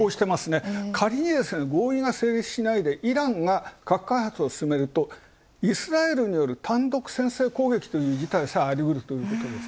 仮に合意が成立しないとイランが核開発を進めると、イスラエルによる単独先制攻撃という事態もありうるということです。